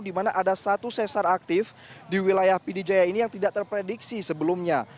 di mana ada satu sesar aktif di wilayah pidijaya ini yang tidak terprediksi sebelumnya